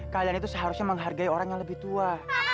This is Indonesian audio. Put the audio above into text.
kalian itu seharusnya menghargai orang yang lebih tua